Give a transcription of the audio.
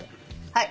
はい。